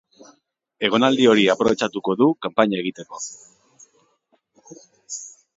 Egonaldi hori aprobetxatuko du kanpaina egiteko.